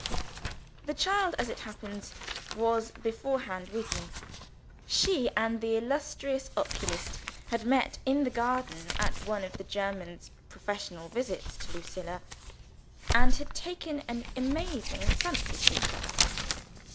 The child, as it happened, was beforehand with me. She and the illustrious oculist had met in the garden at one of the German's professional visits to Lucilla, and had taken an amazing fancy to each other.